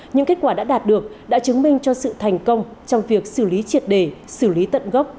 những kết quả đã đạt được đã chứng minh cho sự thành công trong việc xử lý triệt đề xử lý tận gốc